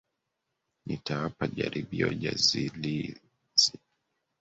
Nitawapa jaribio jazilizi.